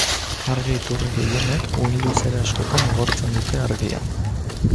Argi iturri gehienek uhin-luzera askotan igortzen dute argia.